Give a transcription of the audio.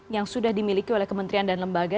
yang sudah dimiliki oleh kementerian dan lembaga